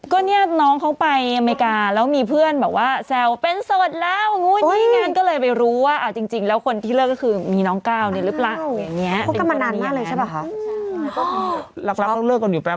ก็เนี่ยน้องเขาไปอเมริกาแล้วมีเพื่อนแบบว่าแซวเป็นสดแล้วทีมงานก็เลยไปรู้ว่าเอาจริงแล้วคนที่เลิกก็คือมีน้องก้าวเนี่ยหรือเปล่าคะ